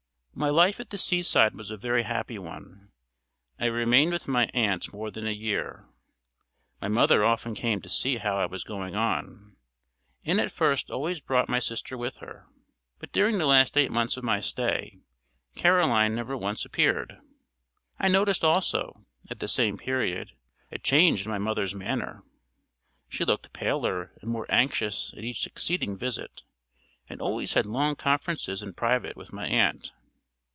My life at the sea side was a very happy one. I remained with my aunt more than a year. My mother often came to see how I was going on, and at first always brought my sister with her; but during the last eight months of my stay Caroline never once appeared. I noticed also, at the same period, a change in my mother's manner. She looked paler and more anxious at each succeeding visit, and always had long conferences in private with my aunt.